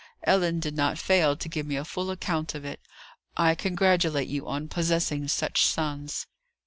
"Ellen did not fail to give me a full account of it. I congratulate you on possessing such sons."